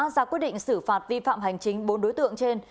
ra quyết định xử phạt vi phạm hành chính bốn đối tượng trên